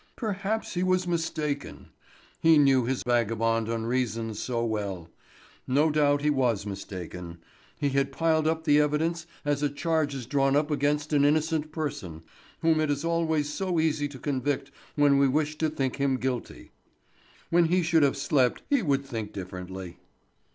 Perhaps he was mistaken. He knew his own vagabond unreason so well! No doubt he was mistaken. He had piled up the evidence as a charge is drawn up against an innocent person, whom it is always so easy to convict when we wish to think him guilty. When he should have slept he would think differently.